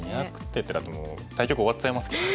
２００手ってだってもう対局終わっちゃいますけど。